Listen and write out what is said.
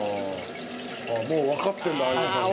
もうわかってんだ相葉さん。